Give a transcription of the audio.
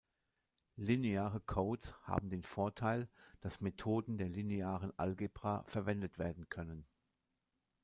Lineare Codes haben den Vorteil, dass Methoden der Linearen Algebra verwendet werden können.